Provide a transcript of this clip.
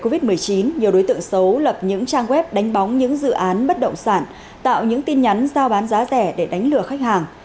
covid một mươi chín nhiều đối tượng xấu lập những trang web đánh bóng những dự án bất động sản tạo những tin nhắn giao bán giá rẻ để đánh lừa khách hàng